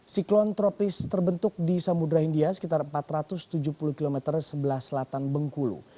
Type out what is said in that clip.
siklon tropis terbentuk di samudera india sekitar empat ratus tujuh puluh km sebelah selatan bengkulu